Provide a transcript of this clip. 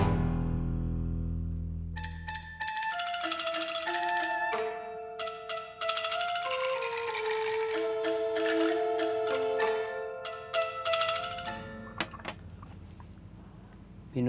kita akan berbicara sama dia